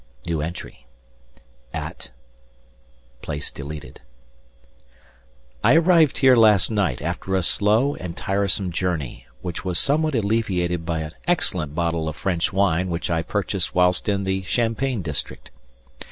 At I arrived here last night after a slow and tiresome journey, which was somewhat alleviated by an excellent bottle of French wine which I purchased whilst in the Champagne district.